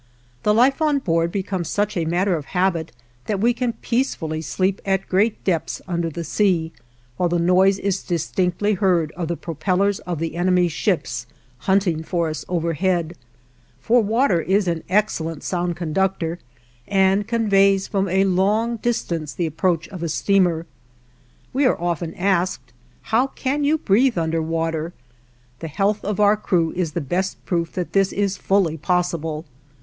The life on board becomes such a matter of habit that we can peacefully sleep at great depths under the sea, while the noise is distinctly heard of the propellers of the enemy's ships, hunting for us overhead; for water is an excellent sound conductor, and conveys from a long distance the approach of a steamer. We are often asked, "How can you breathe under water?" The health of our crew is the best proof that this is fully possible.